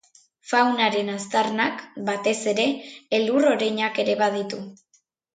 Faunaren aztarnak, batez ere elur-oreinak ere baditu.